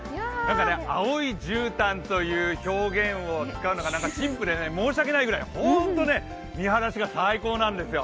青いじゅうたんという表現を使うのが陳腐で申し訳ないくらい、ホント見張らしが最高なんですよ。